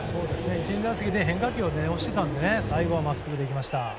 １、２打席で変化球で押してたので最後はまっすぐでいきました。